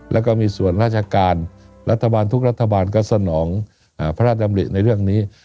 แล้วก็มีส่วนราชการรัฐบาลทุกรัฐบาลก็สนองพระราชดำริในเรื่องนี้